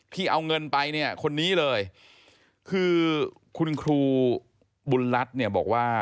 เอาเงินไปเนี่ยคนนี้เลยคือคุณครูบุญรัฐเนี่ยบอกว่า